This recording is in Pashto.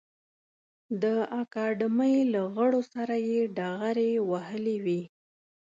د اکاډمۍ له غړو سره یې ډغرې وهلې وې.